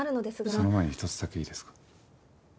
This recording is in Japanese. その前に一つだけいいですか？